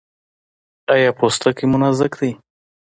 ایا پوستکی مو نازک دی؟